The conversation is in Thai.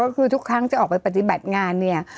ก็คือทุกครั้งจะออกไปปฏิบัติงานเนี่ย